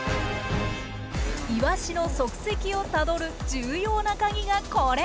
イワシの足跡をたどる重要なカギがこれ。